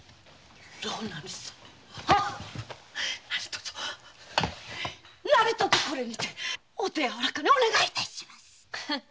牢名主様何とぞこれにてお手やわらかにお願い致します。